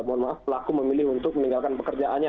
mohon maaf pelaku memilih untuk meninggalkan pekerjaannya